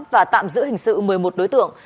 và tạm giữ hình sự một mươi một đối tượng